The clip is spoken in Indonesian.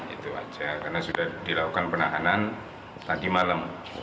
itu saja karena sudah dilakukan penahanan tadi malam